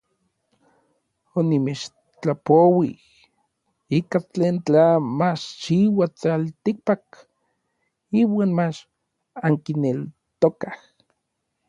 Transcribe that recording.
Onimechtlapouij ika tlen tla machchiua tlaltikpak iuan mach ankineltokaj.